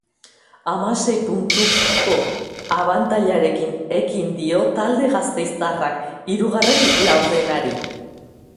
Hamasei puntuko abantailarekin ekin dio talde gasteiztarrak hirugarren laurdenari.